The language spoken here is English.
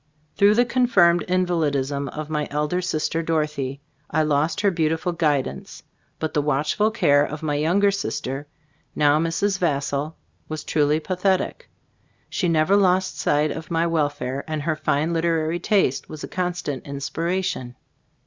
Through the confirmed invalidism of my elder sister, Dorothea, I lost her beautiful guidance, but the watch ful care of my younger sister, now Mrs. Vassall, was truly pathetic. She never lost sight of my welfare, and her fine literary taste was a constant inspiration.